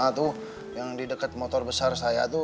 nah itu yang di dekat motor besar saya itu